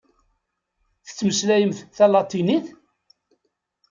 Tettmeslayemt talatinit?